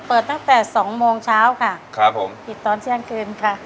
ตั้งแต่สองโมงเช้าค่ะครับผมปิดตอนเที่ยงคืนค่ะ